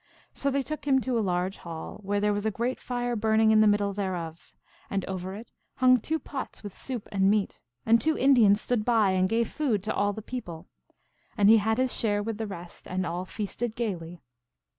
So they took him to a large hall, where there was a great fire burning in the middle thereof. And over it hung two pots with soup and meat, and two Indians stood by and gave food to all the people. And he had his share with the rest, and all feasted gayly.